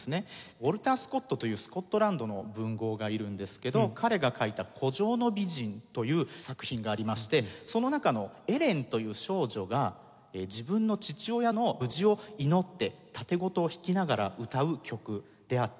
ウォルター・スコットというスコットランドの文豪がいるんですけど彼が書いた『湖上の美人』という作品がありましてその中のエレンという少女が自分の父親の無事を祈って竪琴を弾きながら歌う曲であって。